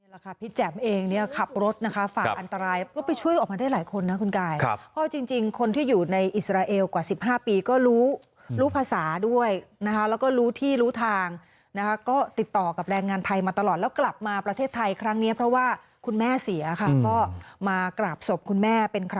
แล้วก็เสียใจด้วยกับครอบครัวที่สูญเสียค่ะ